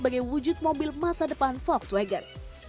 dan juga untuk wujud mobil masa depan volkswagen